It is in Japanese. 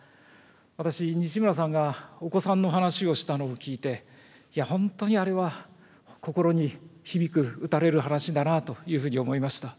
私、西村さんがお子さんの話をしたのを聞いて、本当にあれは、心に響く、打たれる話だなと思いました。